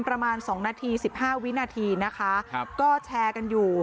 ประมาณสองนาทีสิบห้าวินาทีนะคะก็แชร์กันอยู่